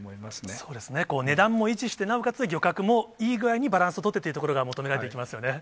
そうですね、値段も維持して、なおかつ漁獲もいい具合にバランスを取ってというところが求められていきますよね。